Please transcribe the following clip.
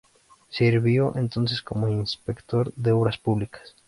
Sirvió entonces como inspector de obras públicas.